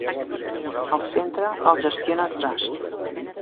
El centre el gestiona Trust.